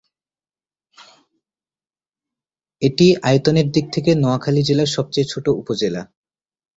এটি আয়তনের দিক থেকে নোয়াখালী জেলার সবচেয়ে ছোট উপজেলা।